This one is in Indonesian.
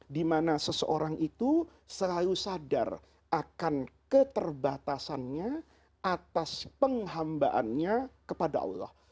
dimana seseorang itu selalu sadar akan keterbatasannya atas penghambaannya kepada allah